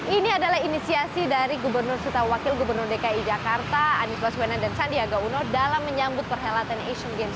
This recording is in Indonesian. ini adalah inisiasi dari gubernur setawakil gubernur dki jakarta anies baswena dan sandiaga uno dalam menyambut perhelatan asian games dua ribu delapan belas